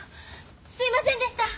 すいませんでした！